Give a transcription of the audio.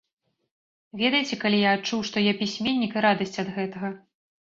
Ведаеце, калі я адчуў, што я пісьменнік і радасць ад гэтага?